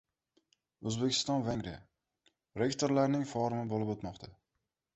O‘zbekiston – Vengriya. Rektorlarning forumi bo‘lib o‘tmoqda